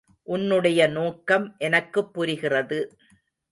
உன்னுடைய நோக்கம் எனக்குப் புரிகிறது.